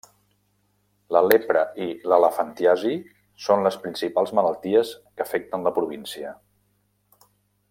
La lepra i elefantiasi són les principals malalties que afecten la província.